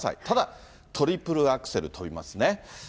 ただトリプルアクセル跳びますね。